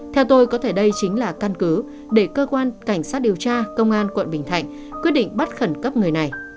theo tôi có thể đây chính là căn cứ để cơ quan cảnh sát điều tra công an quận bình thạnh quyết định bắt khẩn cấp người này